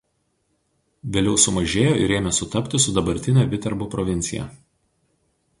Vėliau sumažėjo ir ėmė sutapti su dabartine Viterbo provincija.